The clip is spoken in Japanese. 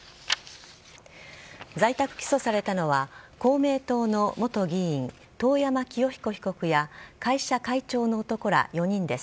在宅起訴されたのは、公明党の元議員、遠山清彦被告や、会社会長の男ら４人です。